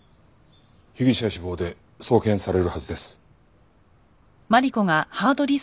被疑者死亡で送検されるはずです。